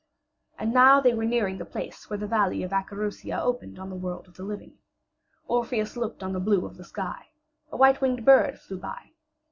And now they were nearing the place where the valley of Acherusia opened on the world of the living. Orpheus looked on the blue of the sky. A white winged bird flew by.